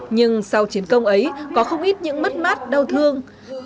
nhưng sau chiến công ấy có không ít những mất mát đau thương